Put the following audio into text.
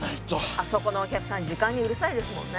あそこのお客さん時間にうるさいですもんね。